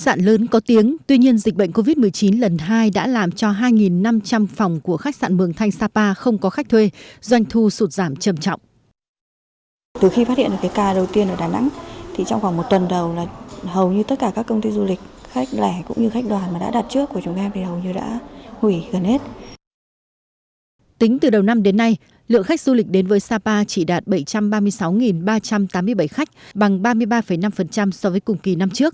đặc biệt là tái phát dịch lần hai đã làm ảnh hưởng nghiêm trọng đến khu du lịch sapa